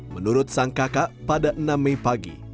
menurut sang kakak pada enam mei pagi